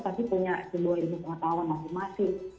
tapi punya sebuah ilmu pengetahuan masing masing